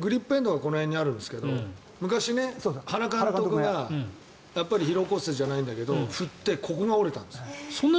グリップエンドがこの辺にあるんですけど昔、原監督が疲労骨折じゃないんだけど振って、ここが折れたんです。